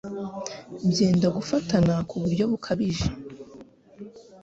byenda gufatana ku buryo bukabije